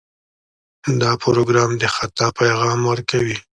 دا پروګرام د خطا پیغام ورکوي.